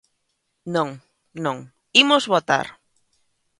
Non, non, ¡imos votar!